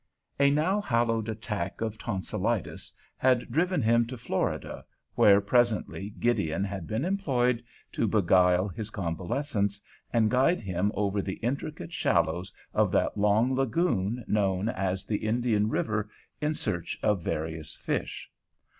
A now hallowed attack of tonsilitis had driven him to Florida, where presently Gideon had been employed to beguile his convalescence, and guide him over the intricate shallows of that long lagoon known as the Indian River in search of various fish.